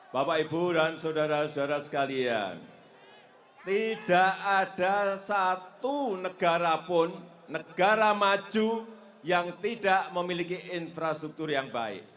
bapak ibu dan saudara saudara sekalian tidak ada satu negara pun negara maju yang tidak memiliki infrastruktur yang baik